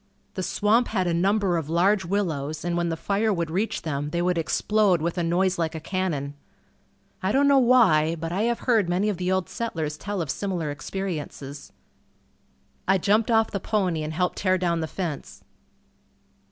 The swamp had a number of large willows and when the fire would reach them they would explode with a noise like a cannon. I don't know why, but I have heard many of the old settlers tell of similar experiences. I jumped off the pony and helped tear down the fence.